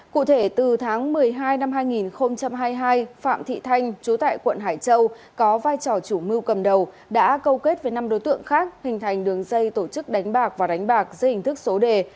cụ thể từ tháng một mươi hai năm hai nghìn hai mươi hai phạm thị thanh chú tại quận hải châu có vai trò chủ mưu cầm đầu đã câu kết với năm đối tượng khác hình thành đường dây tổ chức đánh bạc và đánh bạc dây hình thức số đề